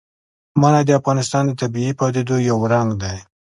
منی د افغانستان د طبیعي پدیدو یو رنګ دی.